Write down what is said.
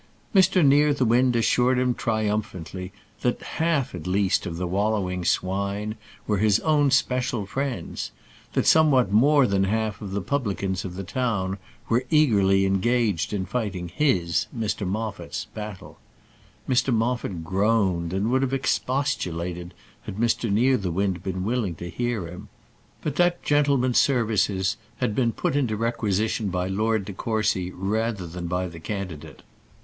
Mr Nearthewinde assured him triumphantly that half at least of the wallowing swine were his own especial friends; and that somewhat more than half of the publicans of the town were eagerly engaged in fighting his, Mr Moffat's battle. Mr Moffat groaned, and would have expostulated had Mr Nearthewinde been willing to hear him. But that gentleman's services had been put into requisition by Lord de Courcy rather than by the candidate.